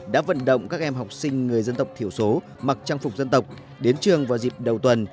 đã vận động các em học sinh người dân tộc thiểu số mặc trang phục dân tộc đến trường vào dịp đầu tuần